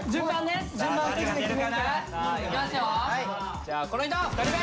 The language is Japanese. じゃあこの人１人目！